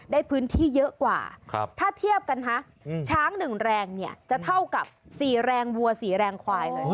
ได้พื้นที่เยอะกว่าถ้าเทียบกันฮะช้าง๑แรงเนี่ยจะเท่ากับ๔แรงวัว๔แรงควายเลย